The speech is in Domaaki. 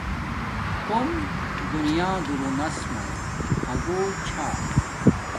توم دنیا دولونس موں ھاگو چھا